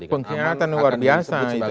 pengkhianatan luar biasa